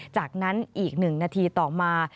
จากนั้นอีก๑นาทีต่อมา